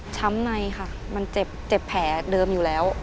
ในค่ะมันเจ็บแผลเดิมอยู่แล้ว